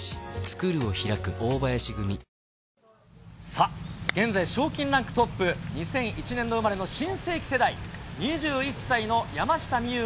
さあ、現在、賞金ランクトップ、２００１年度生まれの新世紀世代、２１歳の山下美夢